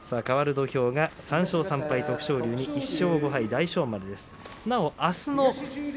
変わる土俵は３勝３敗、徳勝龍に１勝５敗の大翔丸です。